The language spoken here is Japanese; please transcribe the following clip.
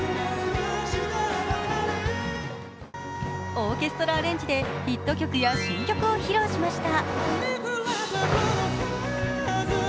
オーケストラアレンジでヒット曲や新曲を披露しました。